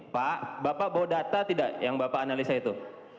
pak bapak bawa data tidak yang bapak analisa itu